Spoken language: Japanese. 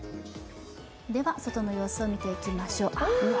外の様子、見ていきましょう。